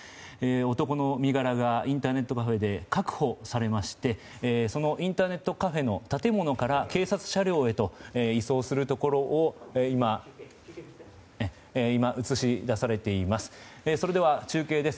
男の身柄がインターネットカフェで確保されましてそのインターネットカフェの建物から警察車両へと移送するところを今、映し出されています。